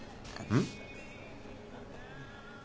うん。